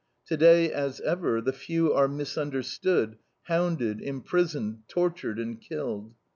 Today, as ever, the few are misunderstood, hounded, imprisoned, tortured, and killed.